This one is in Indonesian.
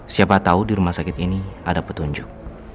siapa tahu di rumah sakit ini ada petunjuk